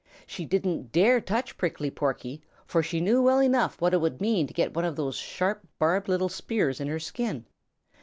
She didn't dare touch Prickly Porky, for she knew well enough what it would mean to get one of those sharp, barbed little spears in her skin.